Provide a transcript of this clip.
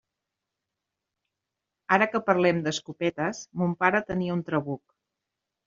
Ara que parlem d'escopetes, mon pare tenia un trabuc.